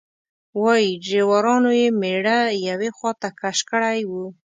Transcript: وایي ډریورانو یې میړه یوې خواته کش کړی و.